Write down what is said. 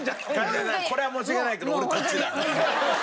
一茂さんこれは申し訳ないけど俺こっちだ。